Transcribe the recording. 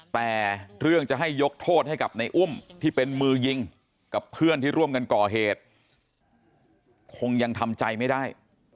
แต่เรื่องจะให้ยกโทษให้กับในอุ้มที่เป็นมือยิงกับเพื่อนที่ร่วมกันก่อเหตุคงยังทำใจไม่ได้